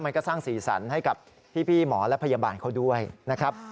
มันก็สร้างสีสันให้กับพี่หมอและพยาบาลเขาด้วยนะครับ